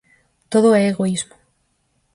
Todo é egoísmo.